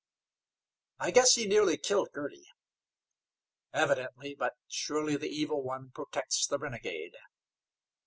"I guess he nearly killed Girty." "Evidently, but surely the evil one protects the renegade."